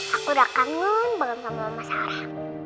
aku udah kangen bangun sama oma sarah